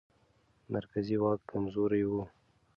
مرکزي واک کمزوری و.